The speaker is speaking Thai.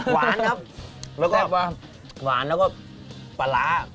หวานมากใช่หวานมากใช่